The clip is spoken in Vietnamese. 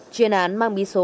chuyên án mang bí số